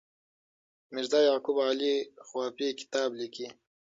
میرزا یعقوب علي خوافي کتاب لیکي.